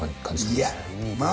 いやまあ